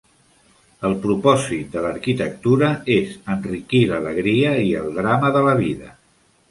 El propòsit de l'arquitectura és enriquir l'alegria i el drama de la vida.